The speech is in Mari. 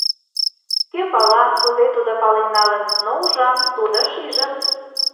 Кӧ пала — кузе тудо пален налын, но ужам, тудо шижын.